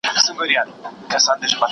د لوګر مرکزي ښار پل علم دی.